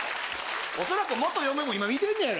恐らく元嫁も今、見てんねやろ。